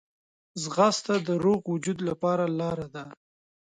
ځغاسته د روغ وجود لپاره لاره ده